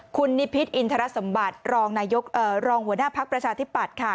คุณนิพิษอินทรสมบัติรองนายกรองหัวหน้าพักประชาธิปัตย์ค่ะ